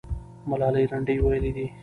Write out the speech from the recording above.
ملالۍ لنډۍ ویلې دي.